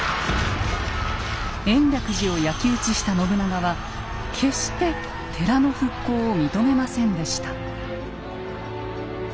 延暦寺を焼き打ちした信長は決して寺の復興を認めませんでした。